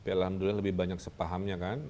alhamdulillah lebih banyak sepahamnya kan